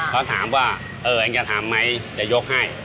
เขาถามว่าเออเองจะทำไหมจะยกให้